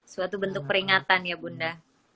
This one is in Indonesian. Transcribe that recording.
suatu bentuk peringatan ya bunda